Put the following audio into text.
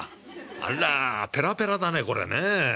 あらペラペラだねこれね。